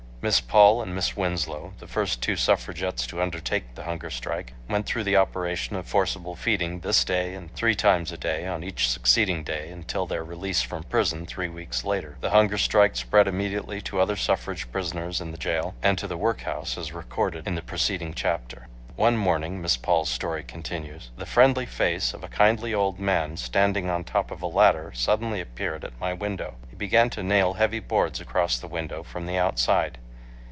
Miss Paul and Miss Winslow, the first two suffragists to undertake the hunger strike, went through the operation of forcible feeding this day and three times a day on each succeeding day until their release from prison three weeks later. The hunger strike spread immediately to other suffrage prisoners in the jail and to the workhouse as recorded in the preceding chapter. One morning [Miss Paul's story continues the friendly face of a kindly old man standing on top of a ladder suddenly appeared at my window. He began to nail heavy boards across the window from the outside.